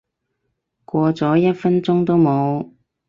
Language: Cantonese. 過咗一分鐘都冇